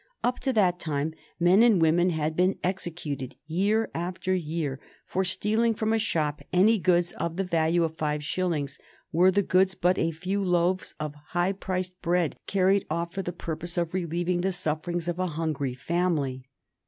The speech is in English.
Up to that time men and women had been executed, year after year, for stealing from a shop any goods of the value of five shillings, were the goods but a few loaves of high priced bread carried off for the purpose of relieving the sufferings of a hungry family.